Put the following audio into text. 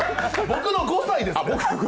僕の５歳ですって。